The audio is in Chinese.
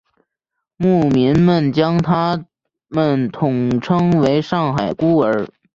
牧民们将他们统称为上海孤儿。